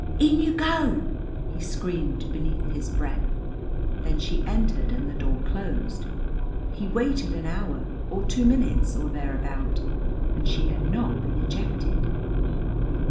"In you go!" he screamed beneath his breath. Then she entered and the door closed. He waited an hour, or two minutes, or thereabout, and she had not been ejected.